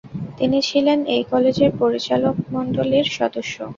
তিনি ছিলেন এই কলেজের পরিচালনমণ্ডলীর সদস্য।